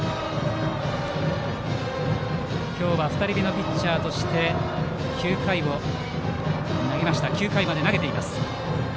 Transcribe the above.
今日は２人目のピッチャーとして９回を投げています。